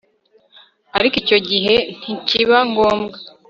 ariko icyo gihe ntikiba ngombwa